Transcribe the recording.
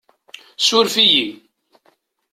Suref-iyi.